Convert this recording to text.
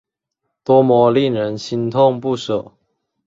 多么令人心痛不舍